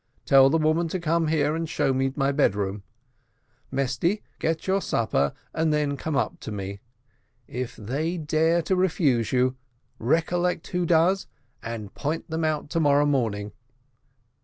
Tell the woman to come here and show me my bedroom. Mesty, get your supper and then come up to me; if they dare to refuse you, recollect who does, and point them out to morrow morning.